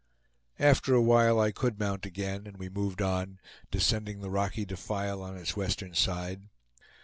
After a while I could mount again, and we moved on, descending the rocky defile on its western side.